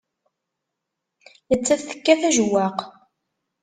Nettat tekkat ajewwaq.